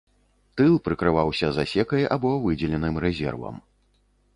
Тыл прыкрываўся засекай або выдзеленым рэзервам.